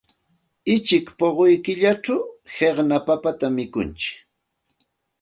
Uchik puquy killachaq qiqna papatam mikuntsik.